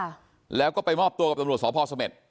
เอาปืนใส่ตะแกรงหน้ารถนะแล้วก็ไปมอบตัวกับตำรวจสพเสม็ด